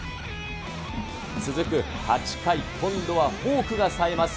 続く８回、今度はフォークがさえます。